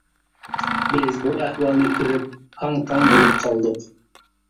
بىز بۇ ئەھۋالنى كۆرۈپ ھاڭ-تاڭ بولۇپ قالدۇق.